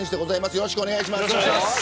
よろしくお願いします。